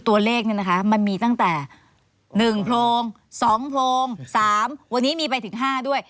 ๑โพรง๒โพรง๓วันนี้มีไปถึง๕ด้วย